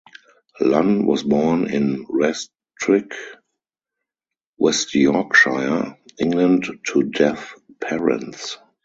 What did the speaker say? Lunn was born in Rastrick, West Yorkshire, England to deaf parents.